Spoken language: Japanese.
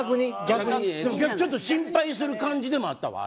ちょっと心配する感じでもあったわ。